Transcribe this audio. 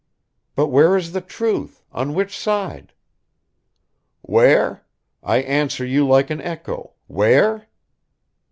"But where is the truth on which side?" "Where? I answer you like an echo; where?"